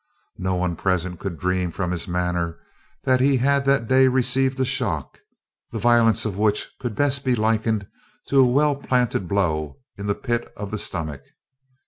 No one present could dream from his manner that he had that day received a shock, the violence of which could best be likened to a well planted blow in the pit of the stomach.